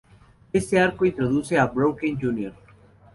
Éste arco introduce a Brocken Jr.